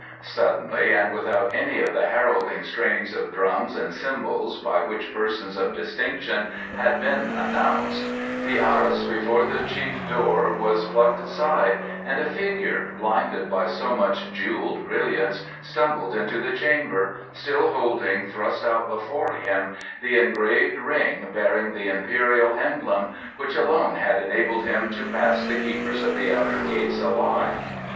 Suddenly, and without any of the heralding strains of drums and cymbals by which persons of distinction had been announced, the arras before the chief door was plucked aside and a figure, blinded by so much jewelled brilliance, stumbled into the chamber, still holding thrust out before him the engraved ring bearing the Imperial emblem which alone had enabled him to pass the keepers of the outer gates alive.